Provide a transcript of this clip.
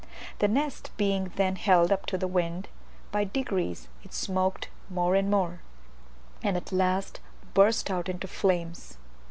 The nest being then held up to the wind, by degrees it smoked more and more, and at last burst out in flames.